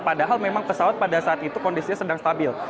padahal memang pesawat pada saat itu kondisinya sedang stabil